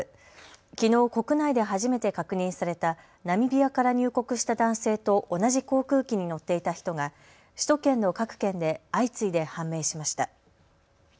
きのう国内で初めて確認されたナミビアから入国した男性と同じ航空機に乗っていた人が首都圏の各県で相次いで判明しました。